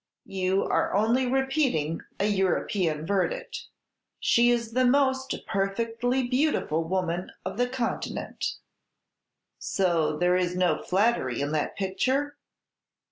"You are only repeating a European verdict. She is the most perfectly beautiful woman of the Continent." "So there is no flattery in that picture?"